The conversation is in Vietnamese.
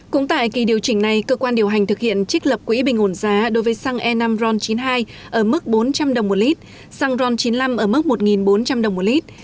cũng tại kỳ điều chỉnh này cơ quan điều hành thực hiện trích lập quỹ bình ổn giá đối với xăng e năm ron chín mươi hai ở mức bốn trăm linh đồng một lít xăng ron chín mươi năm ở mức một bốn trăm linh đồng một lít